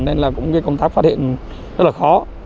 nên là cũng công tác phát hiện rất là khó